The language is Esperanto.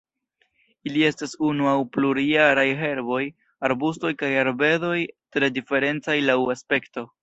Ili estas unu aŭ plurjaraj herboj, arbustoj kaj arbedoj tre diferencaj laŭ aspekto.